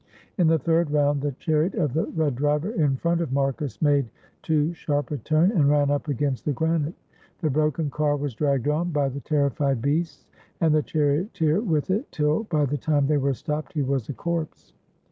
In the third round the chariot of the red driver in front of Marcus made too sharp a turn and ran up against the granite. The broken car was dragged on by the terrified beasts, and the charioteer with it, till, by the time they were stopped, he was a corpse.